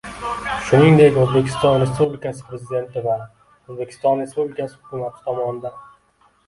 shuningdek O`zbekiston Respublikasi Prezidenti va O`zbekiston Respublikasi Hukumati tomonidan